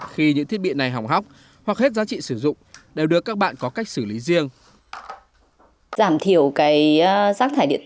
khi những thiết bị này hỏng hóc hoặc hết giá trị sử dụng đều được các bạn có cách xử lý riêng